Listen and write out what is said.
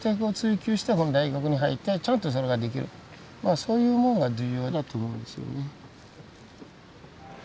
そういうものが重要だと思うんですよね。